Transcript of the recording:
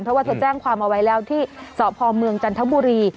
เพราะว่าเธอแจ้งความเอาไว้แล้วที่สพเมืองจันทบุรี